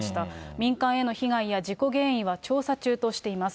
民間への被害や事故原因は調査中としています。